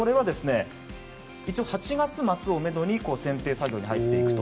一応、８月末をめどに選定作業に入ってくと。